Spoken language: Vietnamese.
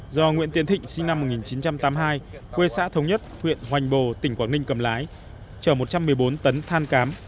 do nguyễn tiến thịnh sinh năm một nghìn chín trăm tám mươi hai quê xã thống nhất huyện hoành bồ tỉnh quảng ninh cầm lái chở một trăm một mươi bốn tấn than cám